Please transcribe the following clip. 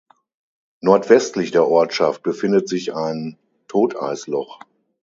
Nordwestlich der Ortschaft befindet sich ein Toteisloch.